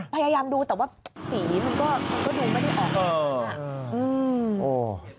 พยายามดูแต่ว่าสีมันก็ดูไม่ได้ออกหรอก